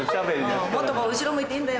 「もっと後ろ向いていいんだよ」